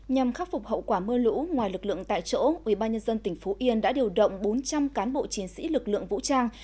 nhằm khắc phục hậu quả mưa lũ ngoài lực lượng tại chỗ ubnd tỉnh phú yên đã điều động bốn trăm linh cán bộ chiến sĩ lực lượng vũ trang